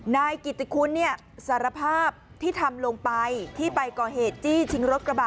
นายกิติคุณเนี่ยสารภาพที่ทำลงไปที่ไปก่อเหตุจี้ชิงรถกระบะ